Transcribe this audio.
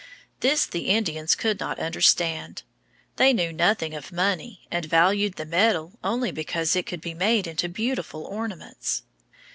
This the Indians could not understand. They knew nothing of money, and valued the metal only because it could be made into beautiful ornaments.